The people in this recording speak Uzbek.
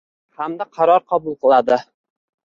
Hamda qaror qabul qiladi.